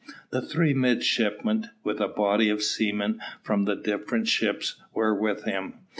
The three midshipmen, with a body of seamen from the different ships, were with him.